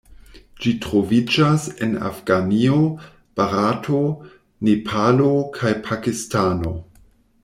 Ĝi troviĝas en Afganio, Barato, Nepalo kaj Pakistano.